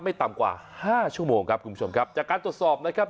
ต่ำกว่าห้าชั่วโมงครับคุณผู้ชมครับจากการตรวจสอบนะครับ